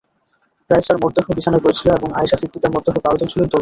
রাইসার মরদেহ বিছানায় পড়েছিল এবং আয়েশা সিদ্দিকার মরদেহ পাওয়া যায় ঝুলন্ত অবস্থায়।